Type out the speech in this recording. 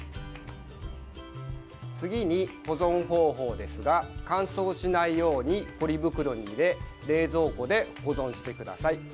次に保存方法ですが乾燥しないようにポリ袋に入れ冷蔵庫で保存してください。